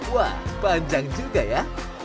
wah panjang juga ya